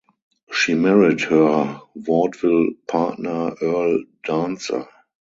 She married her vaudeville partner Earl Dancer.